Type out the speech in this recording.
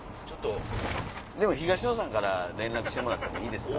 でも東野さんから連絡してもらってもいいですか？